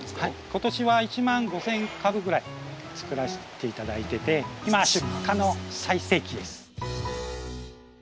今年は１万５千株ぐらいつくらせて頂いてて今出荷の最盛期です。